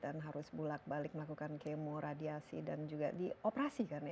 dan harus bulak balik melakukan kemo radiasi dan juga dioperasikan ya